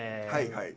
はい。